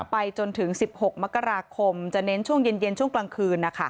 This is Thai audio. ไปจนถึง๑๖มกราคมจะเน้นช่วงเย็นช่วงกลางคืน